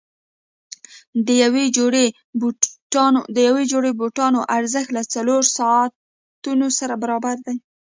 د یوې جوړې بوټانو ارزښت له څلورو ساعتونو سره برابر دی.